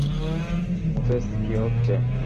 Moses, কী হচ্ছে?